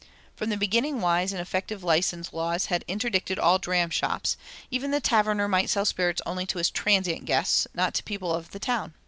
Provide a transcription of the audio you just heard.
From the beginning wise and effective license laws had interdicted all dram shops; even the taverner might sell spirits only to his transient guests, not to the people of the town.